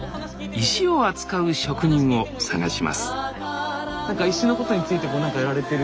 石を扱う職人を探します